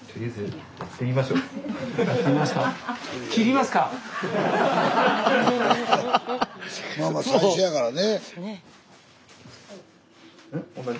まあまあ最初やからね。